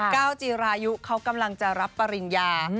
ก้าวจีรายุเขากำลังจะรับปริญญา